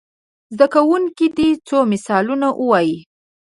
زده کوونکي دې څو مثالونه ووايي.